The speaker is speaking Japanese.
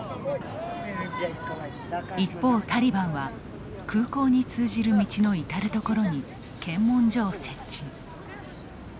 一方、タリバンは空港に通じる道の至る所に検問所を設置。